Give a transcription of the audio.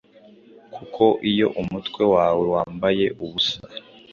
kuko, iyo umutwe wawe wambaye ubusa,